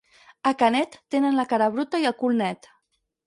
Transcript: A Canet, tenen la cara bruta i el cul net.